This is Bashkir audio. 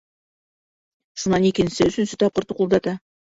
Шунан икенсе, өсөнсө тапҡыр туҡылдата.